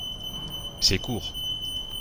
C’est court